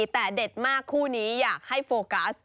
แต่เด็ดมากคู่นี้อยากให้โฟกัส